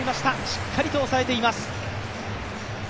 しっかりと抑えています。